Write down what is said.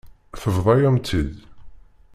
Tebḍa-yam-tt-id.